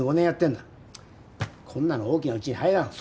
こんなの大きなうちに入らん。